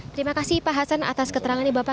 terima kasih pak hasan atas keterangan ini bapak